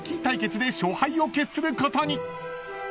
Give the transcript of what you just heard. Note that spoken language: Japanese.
対決で勝敗を決することに］